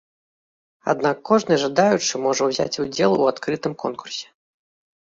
Аднак кожны жадаючы можа ўзяць удзел у адкрытым конкурсе.